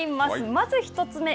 まず１つ目。